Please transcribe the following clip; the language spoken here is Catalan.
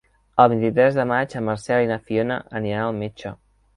El vint-i-tres de maig en Marcel i na Fiona aniran al metge.